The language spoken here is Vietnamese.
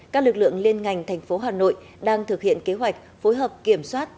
các lực lượng liên ngành thành phố hà nội đang thực hiện kế hoạch phối hợp kiểm soát